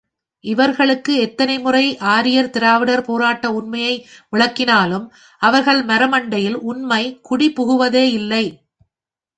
இவர்களுக்கு எத்தனை முறை ஆரியர் திராவிடர் போராட்ட உண்மையை விளக்கினாலும், அவர்கள் மரமண்டையில் உண்மை குடி புகுவதேயில்லை.